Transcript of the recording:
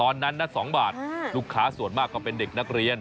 ตอนนั้นนะ๒บาทลูกค้าส่วนมากก็เป็นเด็กนักเรียน